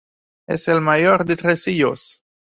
Es el mayor de tres hijos.